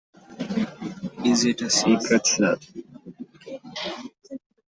Is it a secret, sir?